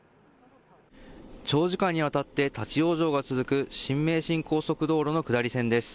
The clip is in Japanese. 長時間にわたって立往生が続く新名神高速道路の下り線です。